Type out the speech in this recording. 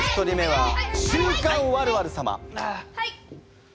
はい。